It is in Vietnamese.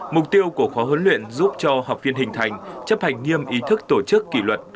mục tiêu của khóa huấn luyện giúp cho học viên hình thành chấp hành nghiêm ý thức tổ chức kỷ luật